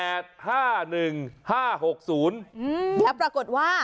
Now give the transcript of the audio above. แล้วปรากฏว่า